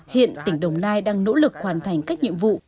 hiện tỉnh đồng nai đang nỗ lực hoàn thành các nhiệm vụ